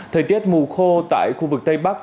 thời tiết mù khô tại khu vực tây bắc